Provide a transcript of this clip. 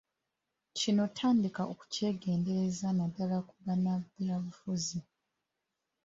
Kino tandika okukyegendereza naddala ku bannabyabufuzi.